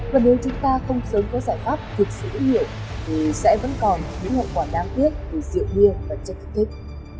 và nếu chúng ta không sớm có giải pháp thực sự hữu hiệu thì sẽ vẫn còn những hậu quả đáng tiếc từ rượu bia và chất kích thích